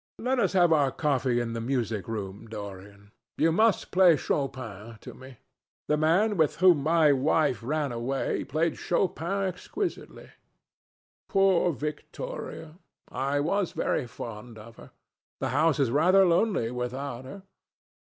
Let us have our coffee in the music room, Dorian. You must play Chopin to me. The man with whom my wife ran away played Chopin exquisitely. Poor Victoria! I was very fond of her. The house is rather lonely without her.